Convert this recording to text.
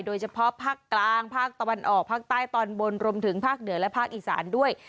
โดยเฉพาะภาคกลางภาคตะวันออกภาคใต้ตอนบนรวมถึงภาคเหนือและภาคอีสานด้วย